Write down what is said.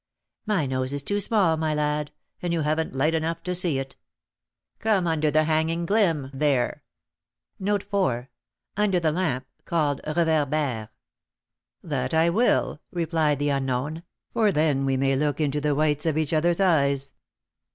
"My nose is too small, my lad, and you haven't light enough to see it." "Come under the 'hanging glim' there." Under the lamp, called reverbère. "That I will," replied the unknown, "for then we may look into the whites of each other's eyes."